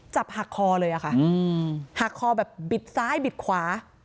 จับหักคอเลยอะค่ะหักคอแบบบิดซ้ายบิดขวา